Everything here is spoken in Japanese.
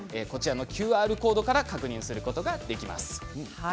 ＱＲコードから確認することができます。